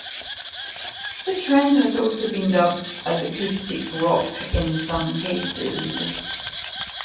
The trend has also been dubbed as "acoustic rock" in some cases.